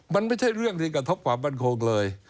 มันไม่ใช่เรื่องที่กระทบความมั่นคงเลย